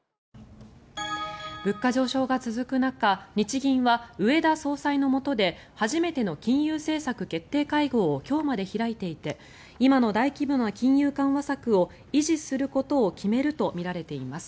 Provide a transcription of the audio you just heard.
物価上昇が続く中、日銀は植田総裁のもとで初めての金融政策決定会合を今日まで開いていて今の大規模な金融緩和策を維持することを決めるとみられています。